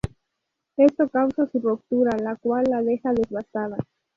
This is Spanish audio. Esto causa su ruptura, la cual la deja devastada.